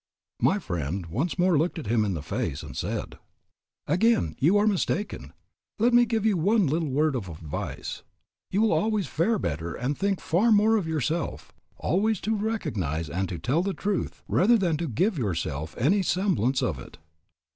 My friend once more looked him in the face and said, "Again you are mistaken. Let me give you one little word of advice: You will always fare better and will think far more of yourself, always to recognize and to tell the truth rather than to give yourself to any semblance of it."